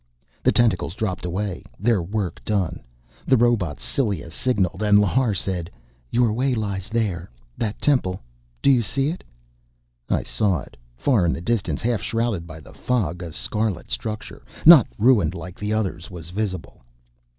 The tentacles dropped away, their work done. The robot's cilia signalled and Lhar said, "Your way lies there. That temple do you see it?" I saw it. Far in the distance, half shrouded by the fog, a scarlet structure, not ruined like the others, was visible.